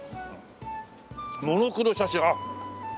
「モノクロ写真」あっ。